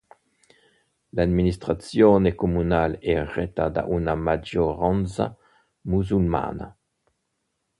L'amministrazione comunale è retta da una maggioranza musulmana.